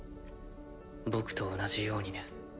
僕と同じようにね。